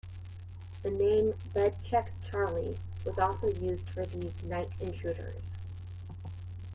The name "Bed Check Charlie" was also used for these night intruders.